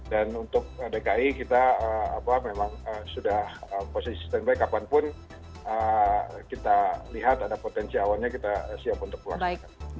dan untuk dki kita memang sudah posisi standby kapanpun kita lihat ada potensi awalnya kita siap untuk melaksanakan